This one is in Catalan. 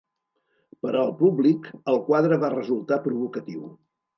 Per al públic el quadre va resultar provocatiu.